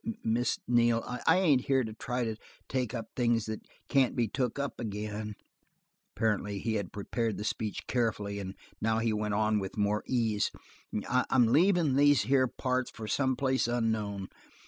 "Miss Neal, I ain't here to try to take up things that can't be took up ag'in." Apparently he had prepared the speech carefully, and now he went on with more ease: "I'm leavin' these here parts for some place unknown.